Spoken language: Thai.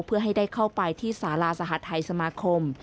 เพื่อให้ได้เข้าไปที่สาราสหทัยสมาคม